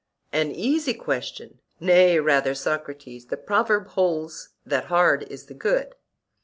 An easy question! Nay, rather, Socrates, the proverb holds that hard is the good.